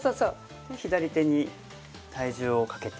左手に体重をかけて。